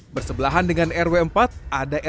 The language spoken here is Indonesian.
bersebelahan dengan rw empat ada rw